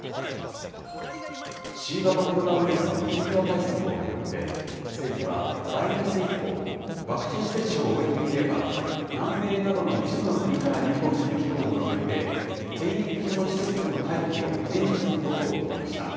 新型コロナウイルスの水際対策を巡って、政府は来月以降、ワクチン接種を終えていれば、南米などの一部の国から入国する人を除いて、検疫所の施設での待機を免除することを決めました。